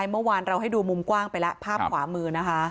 เมื่อวานเราให้ดูมุมกว้างเป็นละ